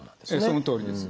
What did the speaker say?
そのとおりです。